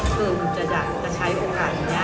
คือจะใช้โอกาสนี้